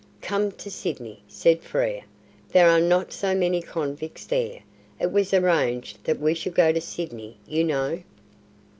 "Come to Sydney," said Frere. "There are not so many convicts there. It was arranged that we should go to Sydney, you know."